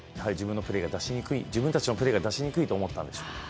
自分たちのプレーが出しにくいと思ったんでしょう。